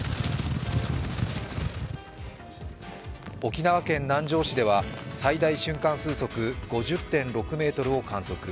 沖縄県南城市では最大瞬間風速５０．６ｍを観測。